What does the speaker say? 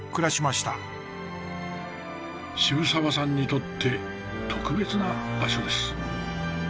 渋沢さんにとって特別な場所です。